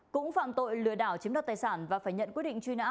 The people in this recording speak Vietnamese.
cũng phạm tội lừa đảo chiếm đoạt tài sản và phải nhận quyết định truy nã